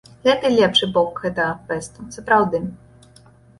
Гэта лепшы бок гэтага фэсту, сапраўды.